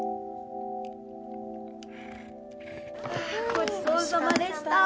ごちそうさまでした。